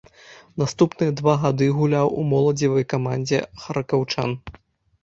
Наступныя два гады гуляў у моладзевай камандзе харкаўчан.